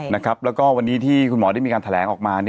แล้วก็วันนี้ที่คุณหมอได้มีการแถลงออกมา